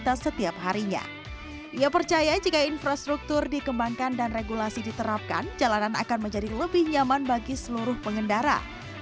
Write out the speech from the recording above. fahmi mengatakan dia percaya jika infrastruktur dikembangkan dan regulasi diterapkan jalanan akan menjadi lebih nyaman bagi seluruh pengendara